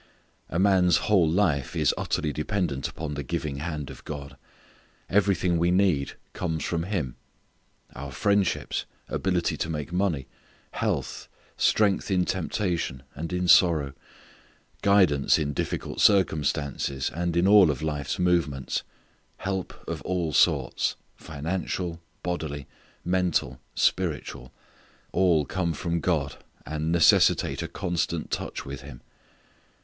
A man's whole life is utterly dependent upon the giving hand of God. Everything we need comes from Him. Our friendships, ability to make money, health, strength in temptation, and in sorrow, guidance in difficult circumstances, and in all of life's movements; help of all sorts, financial, bodily, mental, spiritual all come from God, and necessitate a constant touch with Him.